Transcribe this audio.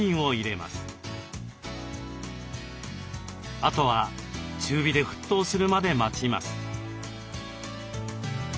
あとは中火で沸騰するまで待ちます。